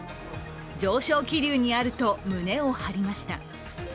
上昇気流にあると胸を張りました。